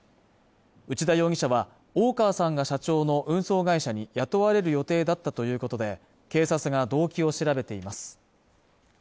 内田容疑者は大川さんが社長の運送会社に雇われる予定だったということで警察が動機を調べています